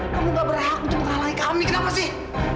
kamu gak berhak untuk menghalangi kami kenapa sih